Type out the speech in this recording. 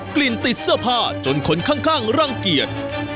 กลิ่นติดเสื้อผ้าจนคนข้างรังเกียจ